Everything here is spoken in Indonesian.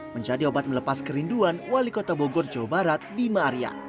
menjadi obat melepas kerinduan wali kota bogor jawa barat bima arya